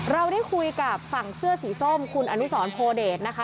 เราได้คุยกับฝั่งเสื้อสีส้มคุณอนุสรโพเดชนะคะ